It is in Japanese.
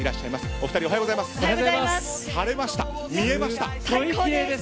お二人、おはようございます。